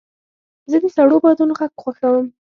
زه د سړو بادونو غږ خوښوم.